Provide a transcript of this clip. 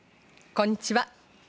こんにちは。